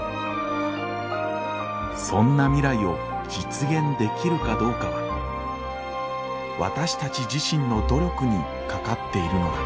そんな未来を実現できるかどうかは私たち自身の努力にかかっているのだ。